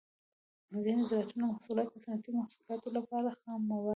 ځینې زراعتي محصولات د صنعتي محصولاتو لپاره خام مواد دي.